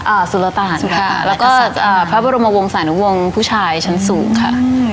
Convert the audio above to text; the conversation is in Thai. อ่าสุรต่างค่ะแล้วก็พระบรมวงศ์สาหนธุวงศ์ผู้ชายชั้นสูงค่ะ